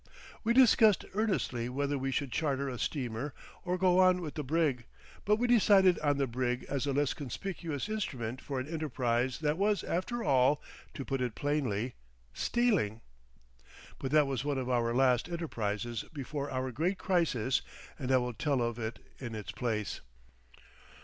We discussed earnestly whether we should charter a steamer or go on with the brig, but we decided on the brig as a less conspicuous instrument for an enterprise that was after all, to put it plainly, stealing. But that was one of our last enterprises before our great crisis, and I will tell of it in its place.